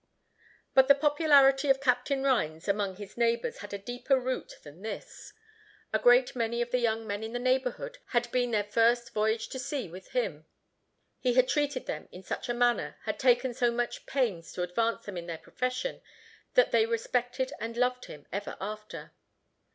But the popularity of Captain Rhines among his neighbors had a deeper root than this. A great many of the young men in the neighborhood had been their first voyage to sea with him; he had treated them in such a manner, had taken so much pains to advance them in their profession, that they respected and loved him ever after.